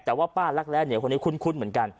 แต่ว่าป้ารักแร้เหนียวคนนี้คุ้นเหมือนกัน